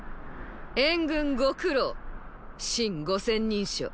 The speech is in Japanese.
援軍ご苦労信五千人将。